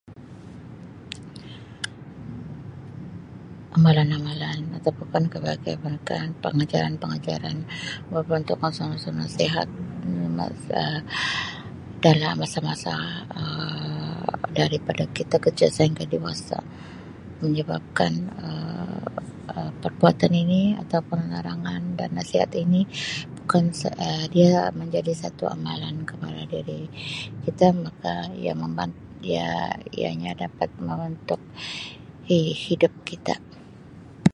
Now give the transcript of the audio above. Amalan-amalan atau [unintelligible] pengajaran-pengajaran berbentuk [unintelligible] nasihat [unintelligible] masa Um dalam masa-masa Um daripada kita kecil sehingga dewasa menyebabkan Um perbuatan ini atau pun penerangan dan nasihat ini akan Um dia menjadi satu amalan kepada diri kita maka ia memban ia ia nya dapat membentuk hi-hidup kita.